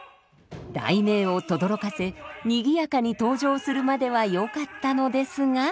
雷鳴をとどろかせ賑やかに登場するまではよかったのですが。